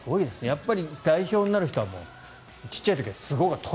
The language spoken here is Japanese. やっぱり代表になる人は小さい時からすごかったと。